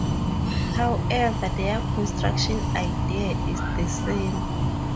However, their construction idea is the same.